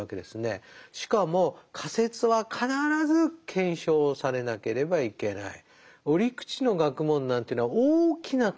しかも仮説は必ず検証されなければいけない。